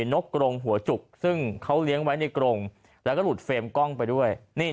นกกรงหัวจุกซึ่งเขาเลี้ยงไว้ในกรงแล้วก็หลุดเฟรมกล้องไปด้วย